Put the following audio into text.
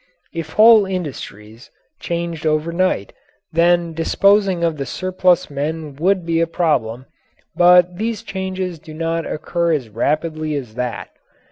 If whole industries changed overnight, then disposing of the surplus men would be a problem, but these changes do not occur as rapidly as that.